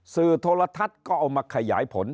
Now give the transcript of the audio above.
สื่อโทรทัศน์ก็เอามาขยายผล